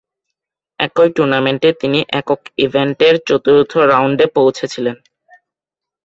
একই টুর্নামেন্টে, তিনি একক ইভেন্টের চতুর্থ রাউন্ডে পৌঁছে ছিলেন।